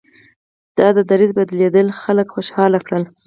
د دریځ بدلېدل خلک خوشحاله کړل.